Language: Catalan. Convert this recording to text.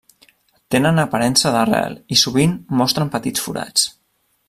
Tenen aparença d'arrel i sovint mostren petits forats.